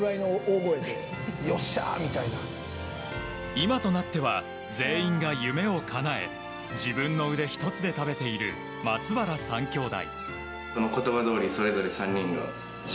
今となっては全員が夢をかなえ自分の腕一つで食べている松原３兄弟。